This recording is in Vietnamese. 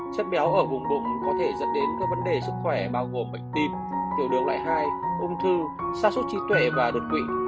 chất béo ở vùng bụng có thể dẫn đến các vấn đề sức khỏe bao gồm bệnh tim tiểu đường loại hai ung thư xa suốt trí tuệ và đột quỵ